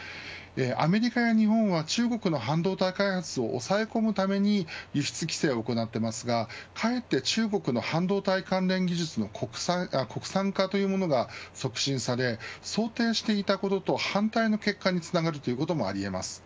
アメリカや日本は中国の半導体開発を抑え込むために輸出規制を行っていますがかえって、中国の半導体関連技術の国産化が促進され、想定していたことと反対の結果につながるということもありえます。